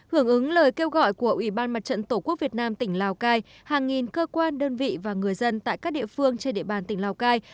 hưởng ứng lời kêu gọi của ủy ban mặt trận tổ quốc việt nam tỉnh lào cai hàng nghìn cơ quan đơn vị và người dân tại các địa phương trên địa bàn tỉnh lào cai